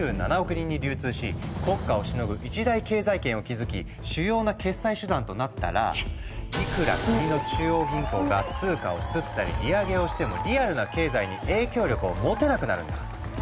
人に流通し国家をしのぐ一大経済圏を築き主要な決済手段となったらいくら国の中央銀行が通貨を刷ったり利上げをしてもリアルな経済に影響力を持てなくなるんだ。